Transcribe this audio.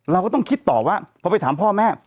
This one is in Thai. เราก็ต้องคิดต่อว่าพอไปถามพ่อแม่